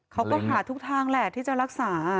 เขาก็หาทุกทางแหละที่จะรักษา